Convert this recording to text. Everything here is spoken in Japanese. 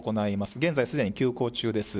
現在、すでに休校中です。